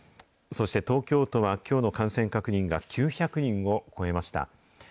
そして東京都は、きょうの感染確認が９００人を超えました。